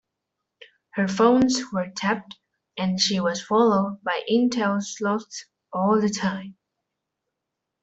Her phones were tapped and she was followed by intel sleuths all the time.